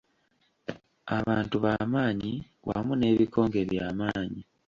Abantu b'amaanyi wamu n'ebikonge by'amaanyi.